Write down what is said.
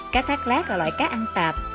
cá thác lát là loại cá ăn tạp